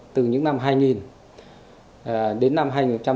từ những năm hai nghìn đến năm hai nghìn bảy